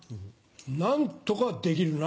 何とかできるな。